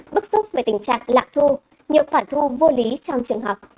bức xúc về tình trạng lạm thu nhiều khoản thu vô lý trong trường học